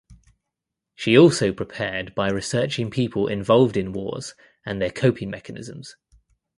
She also prepared by researching people involved in wars and their coping mechanisms.